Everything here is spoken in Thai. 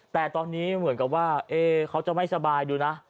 แต่ตอนนี้เหมือนกับว่าเขาจะไม่สบายดูนะ